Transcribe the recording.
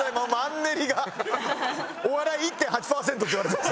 お笑い１．８パーセントっていわれてます。